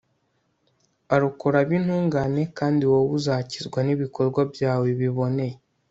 arokora ab'intungane, kandi wowe uzakizwa n'ibikorwa byawe biboneye